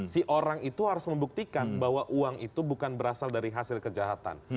si orang itu harus membuktikan bahwa uang itu bukan berasal dari hasil kejahatan